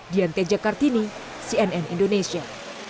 dianthe jakartini cnn indonesia